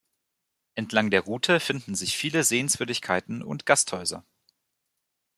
Entlang der Route finden sich viele Sehenswürdigkeiten und Gasthäuser.